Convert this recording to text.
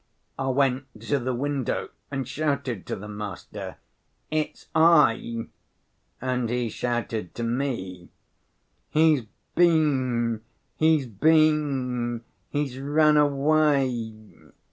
I went to the window and shouted to the master, 'It's I.' And he shouted to me, 'He's been, he's been; he's run away.